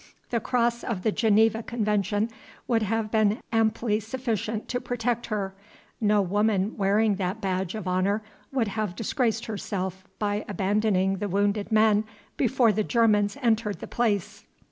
The cross of the Geneva Convention would have been amply sufficient to protect her: no woman wearing that badge of honor would have disgraced herself by abandoning the wounded men before the Germans entered the place."